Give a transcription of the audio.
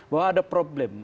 bahwa ada problem